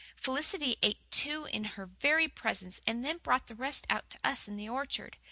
Felicity ate two in her very presence, and then brought the rest out to us in the orchard.